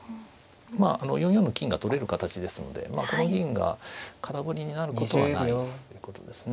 ４四の金が取れる形ですのでこの銀が空振りになることはないということですね。